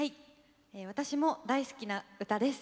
私も大好きな歌です。